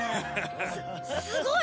すすごい！